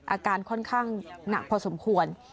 อาการค่อนข้างหนักพอสมควร